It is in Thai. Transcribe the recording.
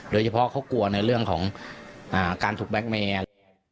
โดยเฉพาะเขากลัวในเรื่องของการถูกแบล็คเมอร์